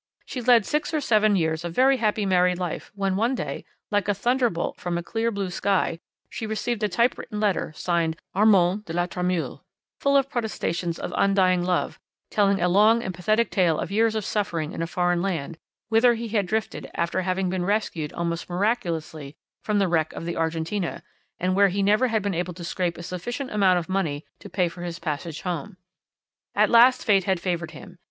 She led six or seven years of very happy married life when one day, like a thunderbolt from a clear, blue sky, she received a typewritten letter, signed 'Armand de la Tremouille,' full of protestations of undying love, telling a long and pathetic tale of years of suffering in a foreign land, whither he had drifted after having been rescued almost miraculously from the wreck of the Argentina, and where he never had been able to scrape a sufficient amount of money to pay for his passage home. At last fate had favoured him.